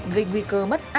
gây nguy cơ mất an toàn